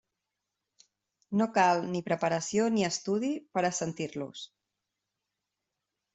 No cal ni preparació ni estudi per a sentir-los.